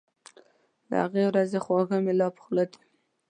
د هغو ورځو خواږه مي لا په خوله دي